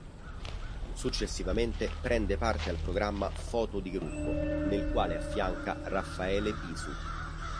Successivamente prende parte al programma "Foto di gruppo", nel quale affianca Raffaele Pisu.